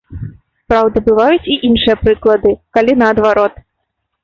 Праўда, бываюць і іншыя прыклады, калі наадварот.